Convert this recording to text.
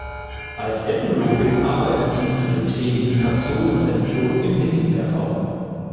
Als Ethnologin arbeitet sie zu den Themen Migration und Religion im Mittelmeerraum.